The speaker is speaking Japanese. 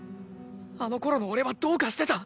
あの頃の俺はどうかしてた。